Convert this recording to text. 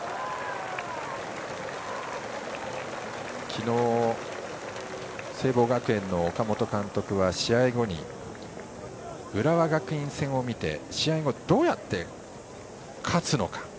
昨日、聖望学園の岡本監督は試合後に浦和学院戦を見て試合にどうやって勝つのか。